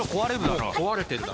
もう壊れてるだろ。